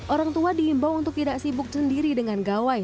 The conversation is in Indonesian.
orang tua diimbau untuk tidak sibuk sendiri dengan gawai